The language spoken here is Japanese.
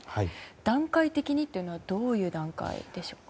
段階的にっていうのはどういう段階でしょう。